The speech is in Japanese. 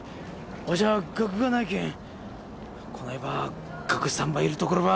わしゃあ学がないけんこないば学士さんばいるところば。